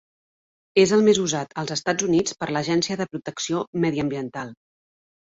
És el més usat als Estats Units per l'Agència de Protecció Mediambiental.